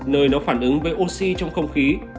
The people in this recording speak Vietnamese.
nơi nó phản ứng với oxy trong không khí